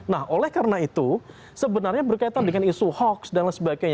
nah oleh karena itu sebenarnya berkaitan dengan isu hoax dan lain sebagainya